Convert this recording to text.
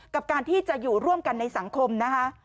กับการที่จะอยู่ร่วมกันในสังคมนะคะ